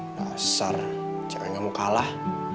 dasar jangan kamu kalah